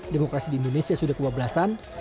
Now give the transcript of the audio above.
demokrasi di indonesia sudah kebablasan